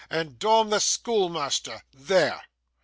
and dom the schoolmeasther. There!